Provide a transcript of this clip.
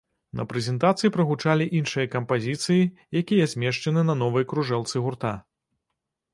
На прэзентацыі прагучалі іншыя кампазіцыі, якія змешчаны на новай кружэлцы гурта.